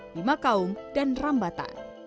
bima kaung dan rambatan